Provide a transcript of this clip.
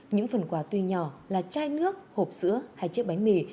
những phần quà tuy nhỏ là chai nước hộp sữa hay chiếc bánh mì